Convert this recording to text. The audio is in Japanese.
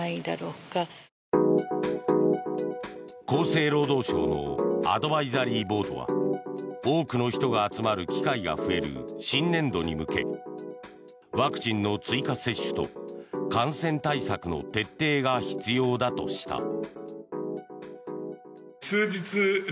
厚生労働省のアドバイザリーボードは多くの人が集まる機会が増える新年度に向けワクチンの追加接種と感染対策の徹底が必要だとした。